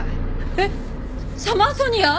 えっサマーソニア！？